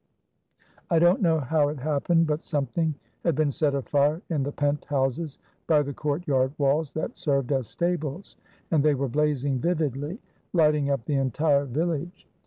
I don't know how it happened, but something had been set afire in the pent houses by the courtyard walls that served as stables, and they were blazing vividly, lighting up the entire village.